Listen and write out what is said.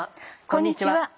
こんにちは。